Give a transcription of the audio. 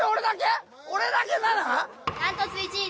俺だけ７？